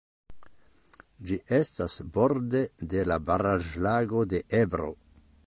Ĝi estas borde de la Baraĵlago de Ebro.